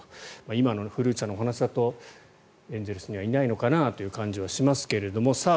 今の古内さんのお話だとエンゼルスにはいないのかなという感じがしますがさあ